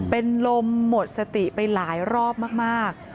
เป็นลมหมดสติไปหลายรอบมาก